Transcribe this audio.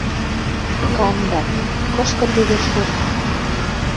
Канда. Кышкы теве шот...